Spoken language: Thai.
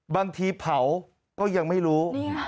บางทีเผาก็ยังไม่รู้